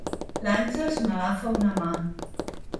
L'Àngels m'agafa una mà.